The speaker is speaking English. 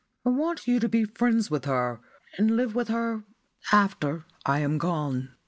I want you to be friends with her, and live with her after I am gone."